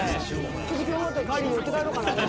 今日終わったら帰り寄って帰ろうかなと。